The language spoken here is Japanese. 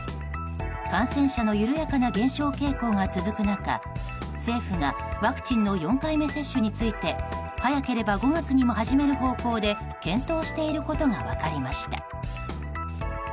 感染者の緩やかな減少傾向が続く中政府がワクチンの４回目接種について早ければ５月にも始める方向で検討していることが分かりました。